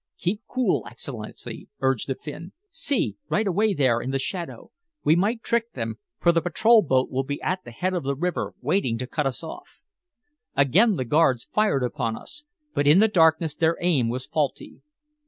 "Keep cool, Excellency," urged the Finn. "See, right away there in the shadow. We might trick them, for the patrol boat will be at the head of the river waiting to cut us off." Again the guards fired upon us, but in the darkness their aim was faulty.